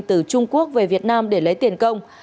từ trung quốc về việt nam để lấy tiền công